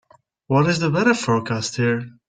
What is the weather forecast here